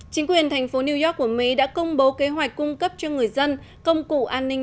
chính quyền thành phố new york của mỹ đã công bố kế hoạch cung cấp cho người dân công cụ an ninh